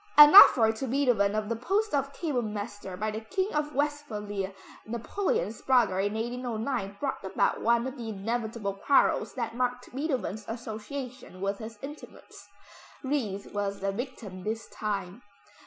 An offer to Beethoven of the post of Kapellmeister by the King of Westphalia, Napoleon's brother, in 1809 brought about one of the inevitable quarrels that marked Beethoven's association with his intimates. Ries was the victim this time.